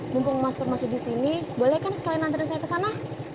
mumpung masker masuk disini bolehkan sekalian antarin saya ke sana